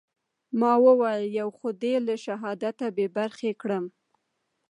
ما وويل يو خو دې له شهادته بې برخې کړم.